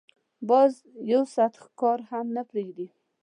باز د یو ساعت ښکار هم نه پریږدي